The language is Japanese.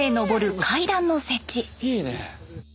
いいね！